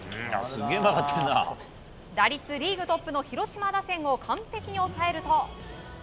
打率リーグトップの広島打線を完璧に抑えると。